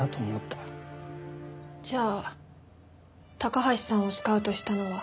じゃあ高橋さんをスカウトしたのは？